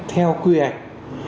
theo quy hạch